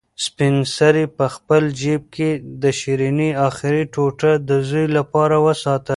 سپین سرې په خپل جېب کې د شیرني اخري ټوټه د زوی لپاره وساتله.